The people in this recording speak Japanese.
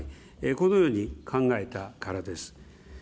このように考えたからです。